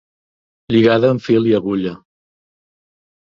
Lligada amb fil i agulla.